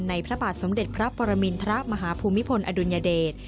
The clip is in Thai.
พระบาทสมเด็จพระปรมินทรมาฮภูมิพลอดุลยเดช